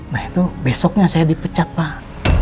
nah itu besoknya saya dipecat pak